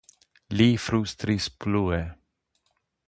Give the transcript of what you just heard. Li flustris plue.